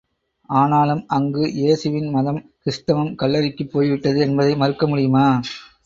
ஆனாலும், அங்கு ஏசுவின் மதம் கிறித்தவம் கல்லறைக்குப் போய் விட்டது என்பதை மறுக்கமுடியுமா?